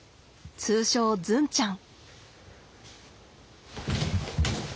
通称ズンちゃん。